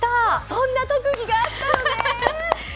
そんな特技があったのね！